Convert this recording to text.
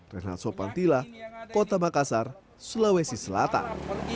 renato pantila kota makassar sulawesi selatan